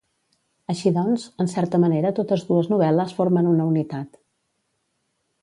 Així doncs, en certa manera totes dues novel·les formen una unitat.